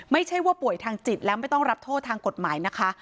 ไม่ใช่ว่าป่วยทางจิตแล้วไม่ต้องรับโทษทางกฎหมายนะคะ